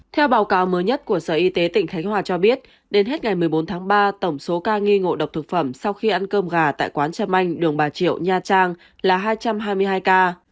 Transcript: theo báo cáo mới nhất của sở y tế tỉnh khánh hòa cho biết đến hết ngày một mươi bốn tháng ba tổng số ca nghi ngộ độc thực phẩm sau khi ăn cơm gà tại quán trâm anh đường bà triệu nha trang là hai trăm hai mươi hai ca